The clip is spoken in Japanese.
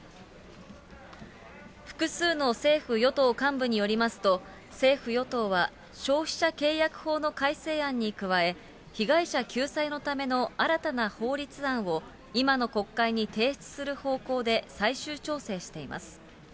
複数の政府・与党幹部によりますと、政府・与党は、消費者契約法の改正案に加え、被害者救済のための新たな法律案を、今の国会に提出する方向で最終調整しています。